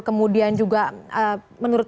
kemudian juga menurut